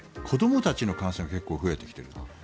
子どもたちの感染が結構増えてきている。